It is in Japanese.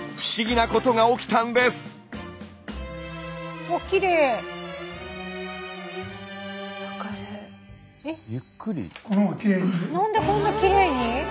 なんでこんなきれいに？